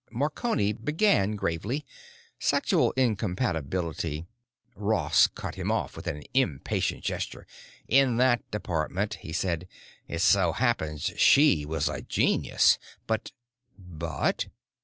Marconi began gravely, "Sexual incompatibility——" Ross cut him off with an impatient gesture. "In that department," he said, "it so happens she was a genius. But——" "But?"